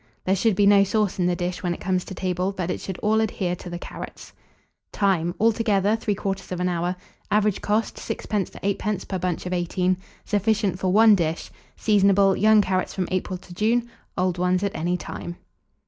There should be no sauce in the dish when it comes to table, but it should all adhere to the carrots. Time. Altogether, 3/4 hour. Average cost, 6d. to 8d. per bunch of 18. Sufficient for 1 dish. Seasonable. Young carrots from April to June, old ones at any time.